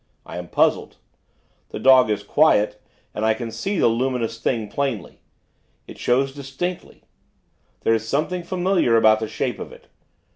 I am puzzled. The dog is quiet, and I can see the luminous thing, plainly. It shows distinctly. There is something familiar about the shape of it.